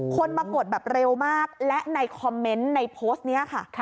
คนมากดแบบเร็วมากและในคอมเมนต์ในโพสต์นี้ค่ะ